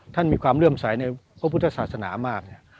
ท่านมีความเลื่อมใสในพระพุทธศาสนามาก